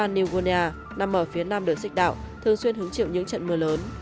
nằm ở phía nam đường xích đạo thường xuyên hứng chịu những trận mưa lớn